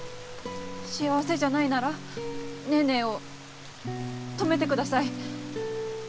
幸せじゃないならネーネーを止めてください。